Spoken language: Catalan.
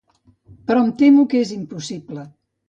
Però em temo que és impossible.